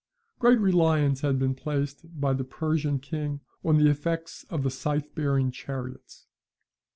Great reliance had been placed by the Persian king on the effects of the scythe bearing chariots.